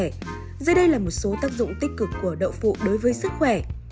đây là một số tác dụng tích cực của đậu phụ đối với sức khỏe